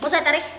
mau saya tarik